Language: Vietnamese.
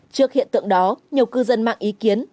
trước hiện tượng đó nhiều cư dân mạng ý kiến